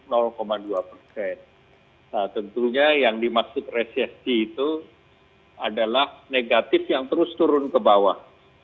nah tentunya yang dimaksud resesi itu adalah negatif yang terus turun ke bawah